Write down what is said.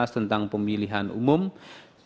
tentang pemilihan lpsdk